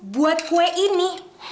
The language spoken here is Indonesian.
buat kue ini